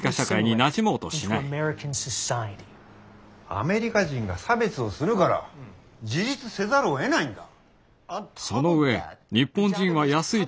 アメリカ人が差別をするから自立せざるをえないんだ。